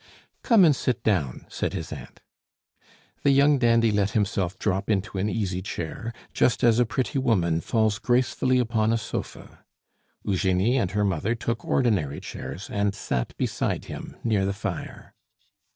"Come and sit down," said his aunt. The young dandy let himself drop into an easy chair, just as a pretty woman falls gracefully upon a sofa. Eugenie and her mother took ordinary chairs and sat beside him, near the fire.